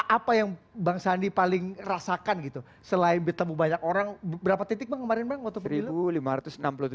apa yang bang sandi paling rasakan gitu selain bertemu banyak orang berapa titik bang kemarin waktu belum